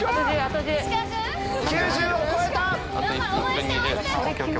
９０を超えた。